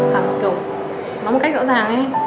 mà kiểu nói một cách rõ ràng ý